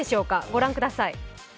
御覧ください。